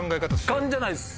勘じゃないです。